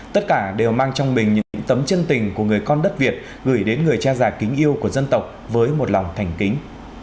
tất cả đều mang trong mình những tấm chân tình của người con đất việt gửi đến người cha già kính yêu của dân tộc với một lòng thành kính